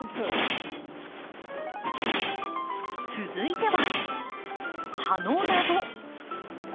続いては葉の謎。